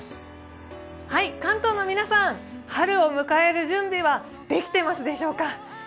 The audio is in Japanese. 関東の皆さん、春を迎える準備はできているでしょうか。